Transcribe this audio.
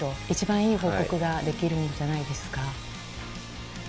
一番いい報告ができるんじゃないですか。